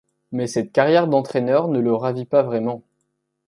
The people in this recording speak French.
Mais cette carrière d'entraineur ne le ravit pas vraiment.